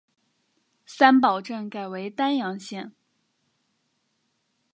三堡镇改为丹阳县。